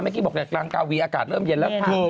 เมื่อกี้บอกจากกลางกาววีอากาศเริ่มเย็นแล้วค่ะ